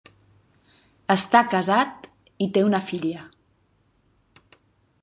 Està casat i té una filla.